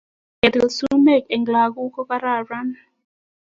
Ketil sumek eng lakok ko kararan